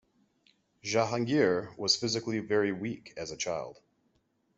Jahangir was physically very weak as a child.